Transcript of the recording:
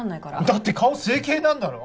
だって顔整形なんだろ？